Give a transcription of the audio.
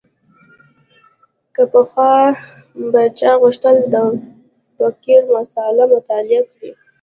که پخوا به چا غوښتل د فقر مسأله مطالعه کړي.